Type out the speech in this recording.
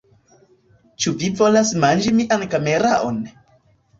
Cxu vi volas manĝi mian kameraon?